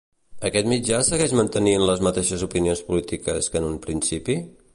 Aquest mitjà segueix mantenint les mateixes opinions polítiques que en un principi?